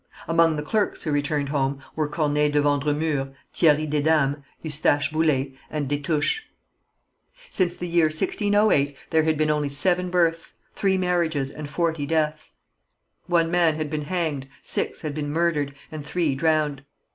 Among the clerks who returned home were Corneille de Vendremur, Thierry Desdames, Eustache Boullé, and Destouches. Since the year 1608 there had been only seven births, three marriages, and forty deaths. One man had been hanged, six had been murdered, and three drowned.